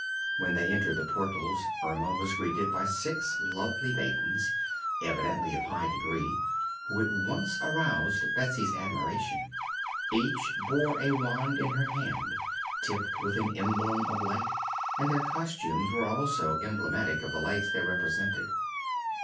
When they entered the portals Erma was greeted by six lovely maidens, evidently of high degree, who at once aroused Betsy's admiration. Each bore a wand in her hand, tipped with an emblem of light, and their costumes were also emblematic of the lights they represented.